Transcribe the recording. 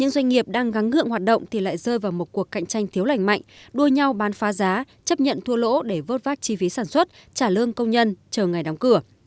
doanh nghiệp đang gắn ngượng hoạt động thì lại rơi vào một cuộc cạnh tranh thiếu lành mạnh đua nhau bán phá giá chấp nhận thua lỗ để vớt vác chi phí sản xuất trả lương công nhân chờ ngày đóng cửa